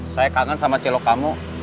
saya kangen sama celok kamu